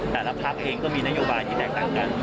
แต่ละพักเองก็มีนโยบายที่แตกต่างกัน